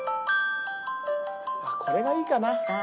あっこれがいいかな。